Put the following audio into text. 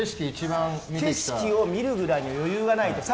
景色を見るぐらいの余裕がないと。